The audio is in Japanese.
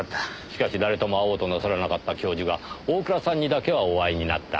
しかし誰とも会おうとなさらなかった教授が大倉さんにだけはお会いになった。